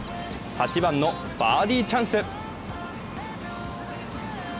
８番のバーディーチャンス。